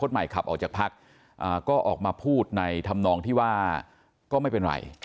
มาพูดในธรรมนองที่ว่าก็ไม่เป็นไร